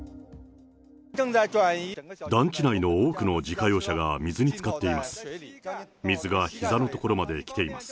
団地内の多くの自家用車が水につかっています。